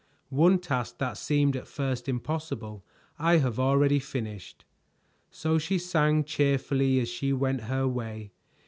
"One task that seemed at first impossible I have already finished." So she sang cheerfully as she went her way.